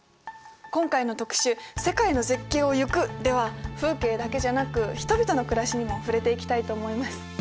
今回の特集「世界の絶景をゆく」では風景だけじゃなく人々の暮らしにも触れていきたいと思います。